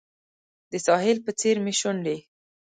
د ساحل په څیر مې شونډې